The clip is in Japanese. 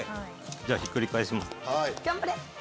じゃあひっくり返します。